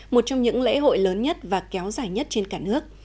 một trong những lễ hội lớn nhất và kéo dài nhất trên cả nước